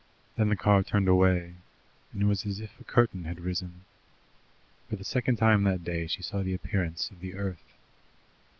Then the car turned away, and it was as if a curtain had risen. For the second time that day she saw the appearance of the earth.